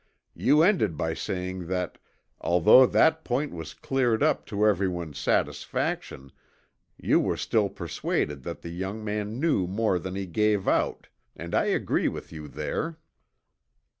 You ended by saying that although that point was cleared up to everyone's satisfaction you were still persuaded that the young man knew more than he gave out, and I agree with you there."